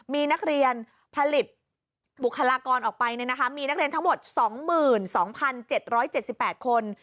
มีนักเรียนผลิตบุคลากรออกไปมีนักเรียนทั้งหมด๒๒๗๗๘คน